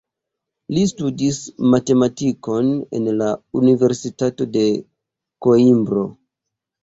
Li studis matematikon en la Universitato de Koimbro.